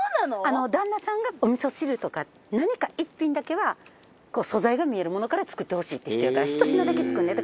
旦那さんがおみそ汁とか何か１品だけは素材が見えるものから作ってほしいっていう人やから１品だけ作んねん。